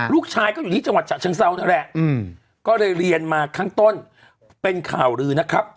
ลูกชายก็อยู่ที่จังหวัดฉะเชิงเซานั่นแหละก็เลยเรียนมาข้างต้นเป็นข่าวลือนะครับ